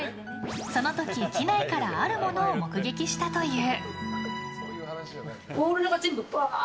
その時、機内からあるものを目撃したという。